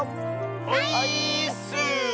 オイーッス！